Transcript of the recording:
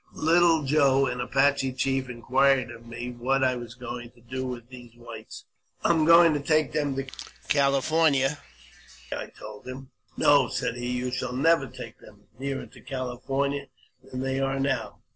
Little Joe, an Apache Chief, inquired of me what I was going to do with these whites. " I am going to take them to California," I told him. " No," said he, " you shall never take them nearer t( California than they are now."